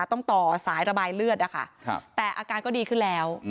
ต้องต่อสายระบายเลือดนะคะแต่อาการก็ดีขึ้นแล้ว